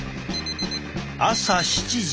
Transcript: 朝７時。